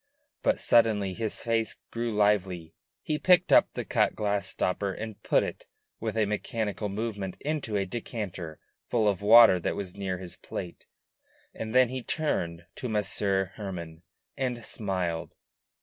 But suddenly his face grew lively; he picked up the cut glass stopper and put it, with a mechanical movement, into a decanter full of water that was near his plate, and then he turned to Monsieur Hermann and smiled.